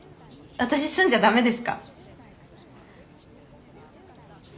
私住んじゃ駄目ですか？